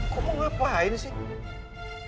gue mau ngapain sih